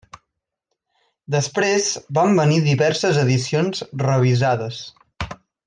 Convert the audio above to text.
Després van venir diverses edicions revisades.